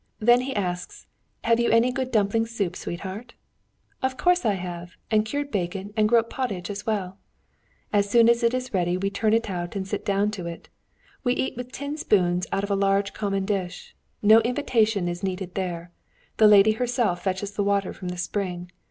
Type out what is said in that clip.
Then he asks, 'Have you any good dumpling soup, sweetheart?' 'Of course I have, and cured bacon and groat pottage as well.' As soon as it is ready we turn it out and sit down to it. We eat with tin spoons out of a large common dish. No invitation is needed there. The lady herself fetches the water from the spring.